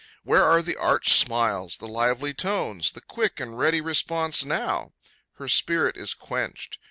Where are the arch smiles, the lively tones, the quick and ready responses now? Her spirit is quenched.